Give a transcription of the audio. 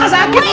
aduh sakit maaf